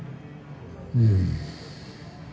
うん。